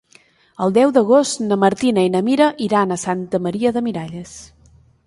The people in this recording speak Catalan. El deu d'agost na Martina i na Mira iran a Santa Maria de Miralles.